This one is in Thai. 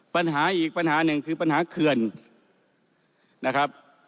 ปัญหาอีกปัญหาหนึ่งคือปัญหาเขื่อนนะครับ